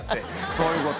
そういうこと。